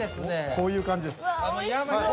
こういう感じです。